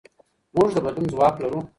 موږ د بدلون ځواک لرو.